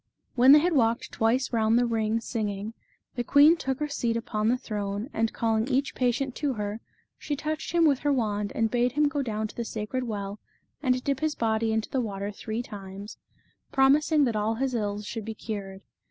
When they had walked twice round the ring singing, the queen took her seat upon the throne, and calling each patient to her, she touched him with her wand and bade him go down to the sacred well and dip his body into the water three times, promising that all his ills should be cured.